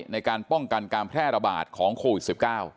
ในการป้องกันการแพร่ระบาดของโควิด๑๙